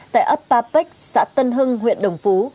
tại ấp ba bích xã tân hưng huyện đồng phú